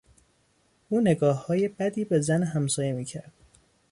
او نگاههای بدی به زن همسایه میکرد.